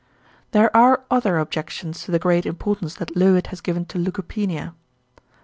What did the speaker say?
There are other objections to the great importance that Löwit has given to leukopenia.